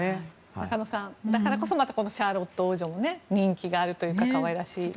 中野さん、だからこそシャーロット王女も人気があるというか可愛らしいですね。